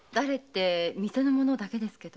店の者だけですけど。